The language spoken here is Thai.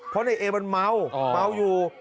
เพราะในเอมันเมาเมาอยู่